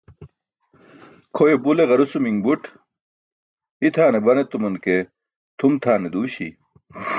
Kʰoyo bule garusumi̇ṅ buṭ, hitʰaane ban etuman ke tʰum tʰane duuśi̇.